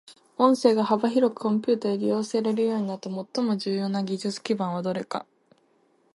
音声が幅広くコンピュータで利用されるようになった最も重要な技術基盤はどれか。